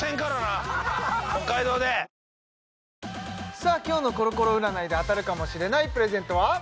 さあ今日のコロコロ占いで当たるかもしれないプレゼントは？